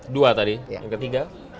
dua tadi yang ketiga